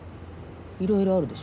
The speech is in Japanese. いろいろあるでしょ。